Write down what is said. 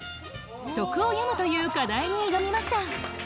「食を詠む」という課題に挑みました。